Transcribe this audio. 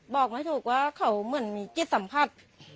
บอกไม่ถูกว่าเขาเหมือนมีจิตสัมผัส